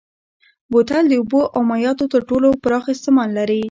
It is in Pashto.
بوتل د اوبو او مایعاتو تر ټولو پراخ استعمال لري.